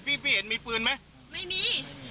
พี่พี่เห็นมีปืนไหมไม่มี